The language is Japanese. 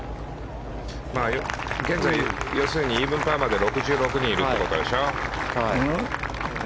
要するに現在、イーブンパーまで６６人いるということでしょ。